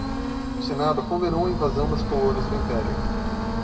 O senado condenou a invasão das colônias do império.